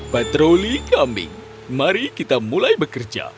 patroli kambing mari kita mulai bekerja